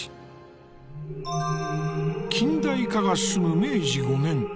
近代化が進む明治５年。